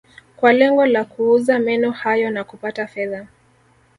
Kwa lengo la kuuza meno hayo na kupata fedha